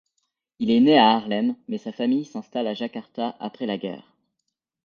Il est né à Haarlem, mais sa famille s'installe à Jakarta après la guerre.